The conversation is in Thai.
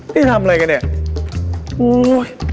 นี่ทำอะไรกันเนี่ย